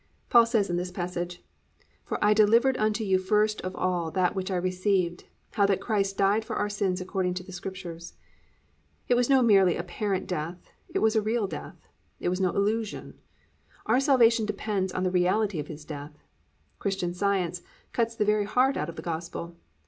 Paul says in this passage, +"For I delivered unto you first of all that which I received, how that Christ died for our sins according to the scriptures."+ It was no merely apparent death, it was a real death. It was no "illusion." Our salvation depends on the reality of His death. "Christian Science" cuts the very heart out of the Gospel.